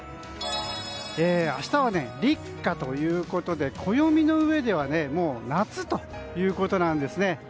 明日は立夏ということで暦のうえではもう夏ということなんですね。